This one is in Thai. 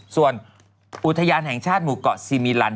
ส่วนอุทยานแห่งชาติหมู่เกาะซีมิลัน